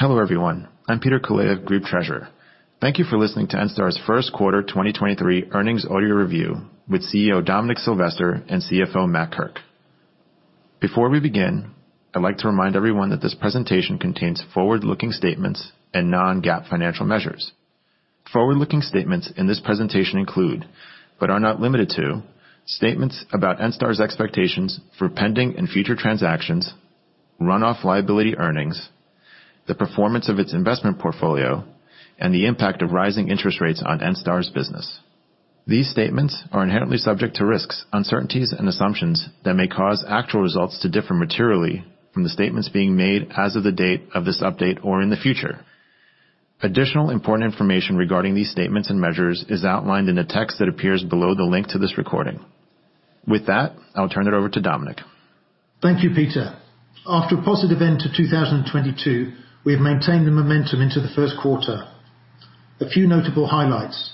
Hello everyone. I'm Peter Kalaev, Group Treasurer. Thank you for listening to Enstar's first quarter 2023 earnings audio review with CEO Dominic Silvester and CFO Matt Kirk. Before we begin, I'd like to remind everyone that this presentation contains forward-looking statements and non-GAAP financial measures. Forward-looking statements in this presentation include, but are not limited to, statements about Enstar's expectations for pending and future transactions, run-off liability earnings, the performance of its investment portfolio, and the impact of rising interest rates on Enstar's business. These statements are inherently subject to risks, uncertainties, and assumptions that may cause actual results to differ materially from the statements being made as of the date of this update or in the future. Additional important information regarding these statements and measures is outlined in the text that appears below the link to this recording. With that, I'll turn it over to Dominic. Thank you, Peter. After a positive end to 2022, we have maintained the momentum into the first quarter. A few notable highlights.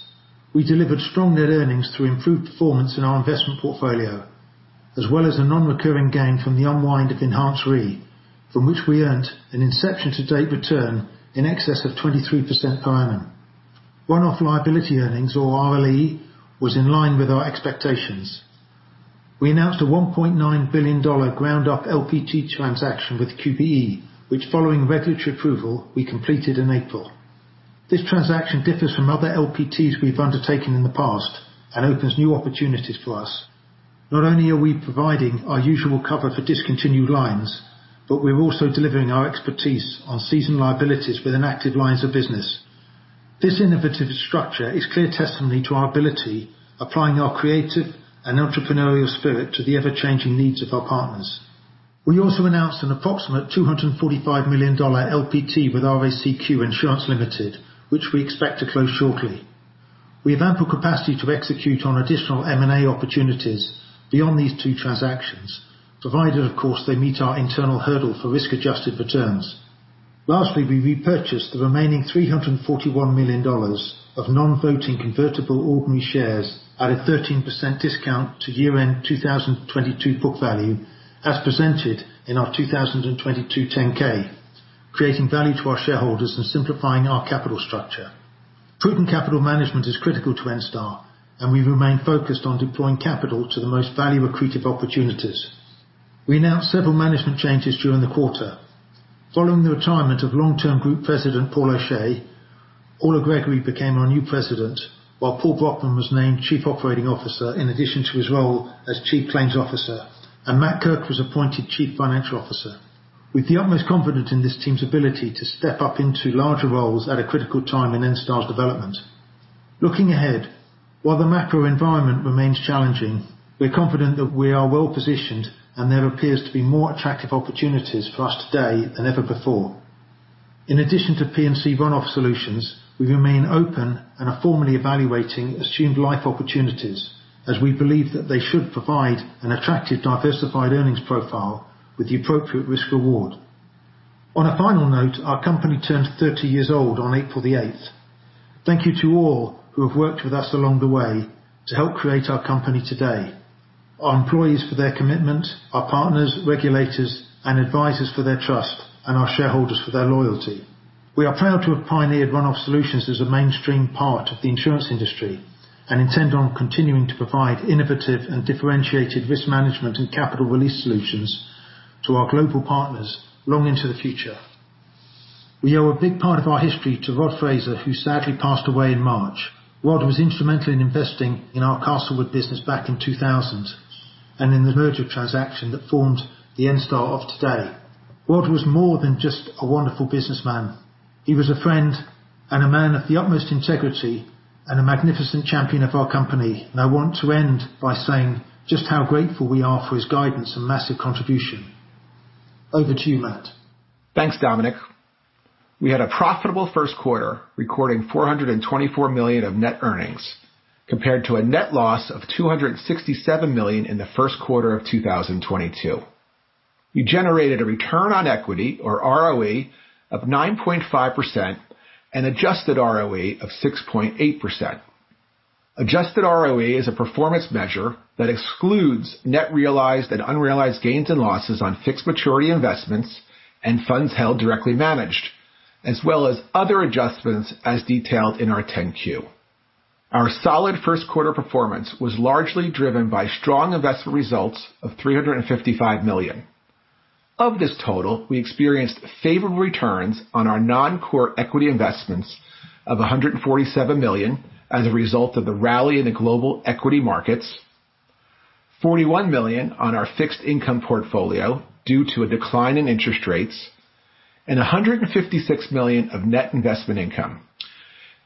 We delivered strong net earnings through improved performance in our investment portfolio, as well as a non-recurring gain from the unwind of Enhanzed Re, from which we earned an inception to date return in excess of 23% per annum. Run-off liability earnings, or RLE, was in line with our expectations. We announced a $1.9 billion ground-up LPT transaction with QBE, which following regulatory approval, we completed in April. This transaction differs from other LPTs we've undertaken in the past and opens new opportunities for us. Not only are we providing our usual cover for discontinued lines, but we're also delivering our expertise on seasoned liabilities with inactive lines of business. This innovative structure is clear testimony to our ability, applying our creative and entrepreneurial spirit to the ever-changing needs of our partners. We also announced an approximate $245 million LPT with RACQ Insurance Limited, which we expect to close shortly. We have ample capacity to execute on additional M&A opportunities beyond these two transactions, provided of course they meet our internal hurdle for risk-adjusted returns. Lastly, we repurchased the remaining $341 million of non-voting convertible ordinary shares at a 13% discount to year-end 2022 book value, as presented in our 2022 10-K, creating value to our shareholders and simplifying our capital structure. Prudent capital management is critical to Enstar, and we remain focused on deploying capital to the most value accretive opportunities. We announced several management changes during the quarter. Following the retirement of long-term Group President Paul O'Shea, Orla Gregory became our new President, while Paul Brockman was named Chief Operating Officer in addition to his role as Chief Claims Officer, and Matt Kirk was appointed Chief Financial Officer. We've the utmost confidence in this team's ability to step up into larger roles at a critical time in Enstar's development. Looking ahead, while the macro environment remains challenging, we're confident that we are well-positioned and there appears to be more attractive opportunities for us today than ever before. In addition to P&C runoff solutions, we remain open and are formally evaluating assumed life opportunities as we believe that they should provide an attractive, diversified earnings profile with the appropriate risk reward. On a final note, our company turns 30 years old on April 8th. Thank you to all who have worked with us along the way to help create our company today. Our employees for their commitment, our partners, regulators, and advisors for their trust, and our shareholders for their loyalty. We are proud to have pioneered run-off solutions as a mainstream part of the insurance industry, and intend on continuing to provide innovative and differentiated risk management and capital release solutions to our global partners long into the future. We owe a big part of our history to Rod Frazer, who sadly passed away in March. Rod was instrumental in investing in our Castlewood business back in 2000, and in the merger transaction that formed the Enstar of today. Rod was more than just a wonderful businessman. He was a friend and a man of the utmost integrity and a magnificent champion of our company. I want to end by saying just how grateful we are for his guidance and massive contribution. Over to you, Matt. Thanks, Dominic. We had a profitable first quarter, recording $424 million of net earnings compared to a net loss of $267 million in the first quarter of 2022. We generated a return on equity or ROE of 9.5% and Adjusted ROE of 6.8%. Adjusted ROE is a performance measure that excludes net realized and unrealized gains and losses on fixed maturity investments and funds held directly managed, as well as other adjustments as detailed in our 10-Q. Our solid first quarter performance was largely driven by strong investment results of $355 million. Of this total, we experienced favorable returns on our non-core equity investments of $147 million as a result of the rally in the global equity markets, $41 million on our fixed income portfolio due to a decline in interest rates, and $156 million of net investment income.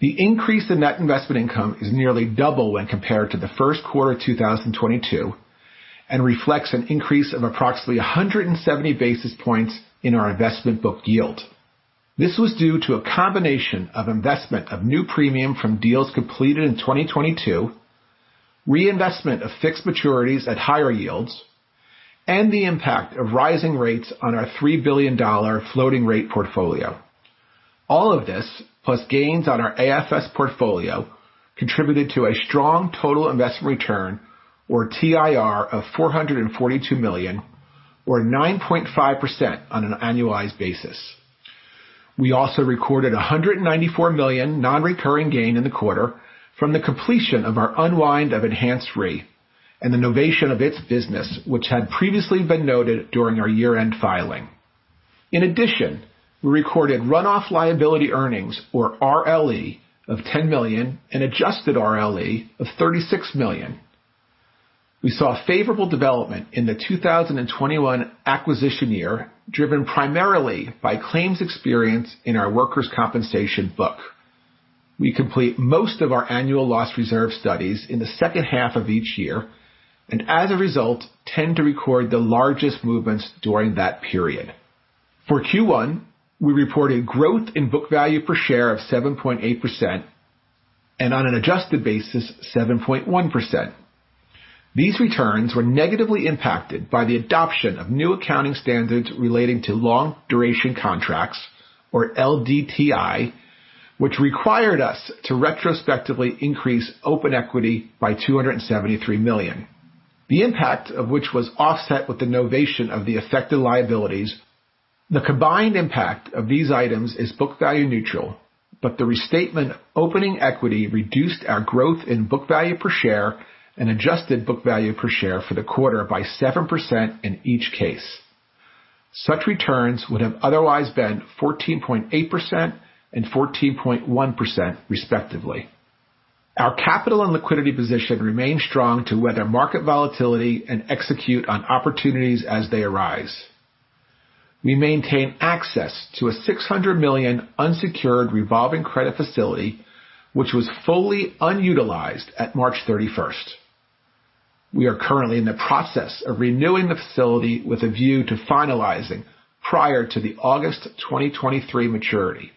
The increase in net investment income is nearly double when compared to the first quarter of 2022 and reflects an increase of approximately 170 basis points in our investment book yield. This was due to a combination of investment of new premium from deals completed in 2022, reinvestment of fixed maturity investments at higher yields, and the impact of rising rates on our $3 billion floating rate portfolio. All of this, plus gains on our AFS portfolio, contributed to a strong total investment return or TIR of $442 million, or 9.5% on an annualized basis. We also recorded a $194 million non-recurring gain in the quarter from the completion of our unwind of Enhanzed Re and the novation of its business, which had previously been noted during our year-end filing. We recorded run-off liability earnings, or RLE, of $10 million and Adjusted RLE of $36 million. We saw a favorable development in the 2021 acquisition year, driven primarily by claims experience in our workers' compensation book. We complete most of our annual loss reserve studies in the second half of each year, as a result, tend to record the largest movements during that period. For Q1, we reported growth in book value per share of 7.8% and on an adjusted basis, 7.1%. These returns were negatively impacted by the adoption of new accounting standards relating to Long-Duration Contracts or LDTI, which required us to retrospectively increase open equity by $273 million. The impact of which was offset with the novation of the affected liabilities. The combined impact of these items is book value neutral, the restatement opening equity reduced our growth in book value per share and adjusted book value per share for the quarter by 7% in each case. Such returns would have otherwise been 14.8% and 14.1% respectively. Our capital and liquidity position remain strong to weather market volatility and execute on opportunities as they arise. We maintain access to a $600 million unsecured revolving credit facility, which was fully unutilized at March 31st. We are currently in the process of renewing the facility with a view to finalizing prior to the August 2023 maturity.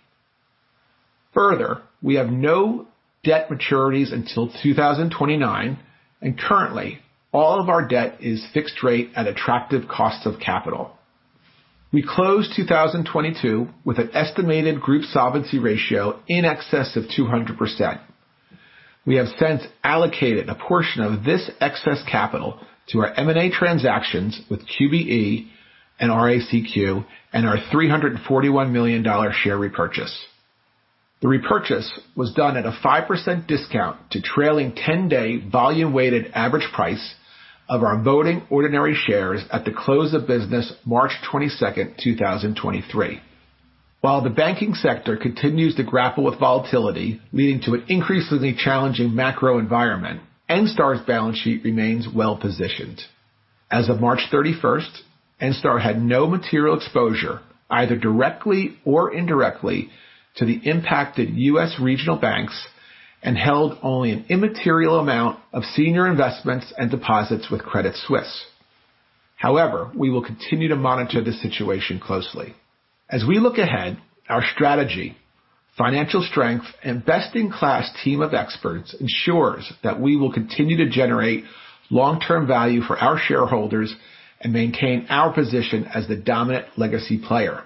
We have no debt maturities until 2029, and currently, all of our debt is fixed rate at attractive cost of capital. We closed 2022 with an estimated group solvency ratio in excess of 200%. We have since allocated a portion of this excess capital to our M&A transactions with QBE and RACQ and our $341 million share repurchase. The repurchase was done at a 5% discount to trailing 10-day volume weighted average price of our voting ordinary shares at the close of business March 22, 2023. While the banking sector continues to grapple with volatility, leading to an increasingly challenging macro environment, Enstar's balance sheet remains well-positioned. As of March 31, Enstar had no material exposure, either directly or indirectly, to the impacted US regional banks and held only an immaterial amount of senior investments and deposits with Credit Suisse. We will continue to monitor the situation closely. We look ahead, our strategy, financial strength, and best-in-class team of experts ensures that we will continue to generate long-term value for our shareholders and maintain our position as the dominant legacy player.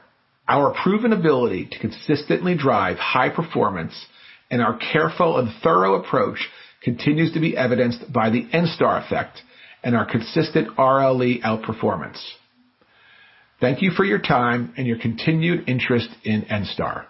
Our proven ability to consistently drive high performance and our careful and thorough approach continues to be evidenced by the Enstar Effect and our consistent RLE outperformance. Thank you for your time and your continued interest in Enstar.